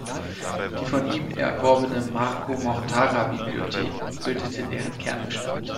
Die von ihm erworbene Marco Mortara Bibliothek bildete deren Kernbestand.